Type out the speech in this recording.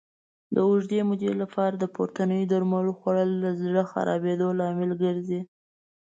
د اوږدې مودې لپاره د پورتنیو درملو خوړل د زړه خرابېدو لامل ګرځي.